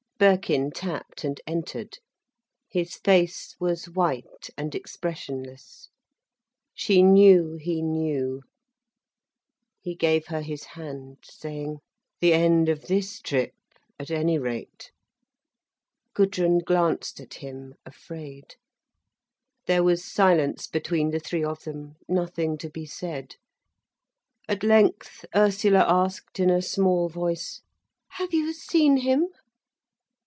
Birkin tapped and entered. His face was white and expressionless. She knew he knew. He gave her his hand, saying: "The end of this trip, at any rate." Gudrun glanced at him, afraid. There was silence between the three of them, nothing to be said. At length Ursula asked in a small voice: "Have you seen him?"